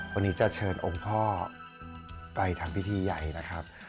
วันนี้จะเชิญองค์พ่อไปทำพิธีใหญ่นะครับ